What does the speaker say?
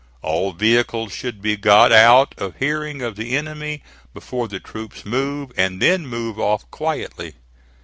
All vehicles should be got out of hearing of the enemy before the troops move, and then move off quietly.